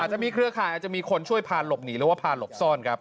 จะมีเครือข่ายอาจจะมีคนช่วยพาหลบหนีหรือว่าพาหลบซ่อนครับ